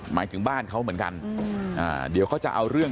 หมายถึงบ้านเขาเหมือนกันเดี๋ยวเขาจะเอาเรื่อง